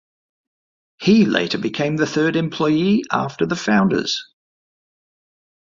He later became the third employee after the founders.